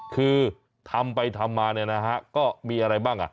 คือทำไปทำมาก็มีอะไรบ้าง